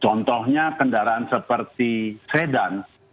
contohnya kendaraan seperti sedan